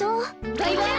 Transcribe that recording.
バイバイ。